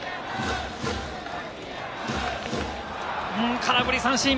空振り三振。